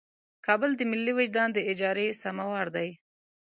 کابل د ملي وجدان د اجارې سموار دی.